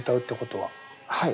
はい。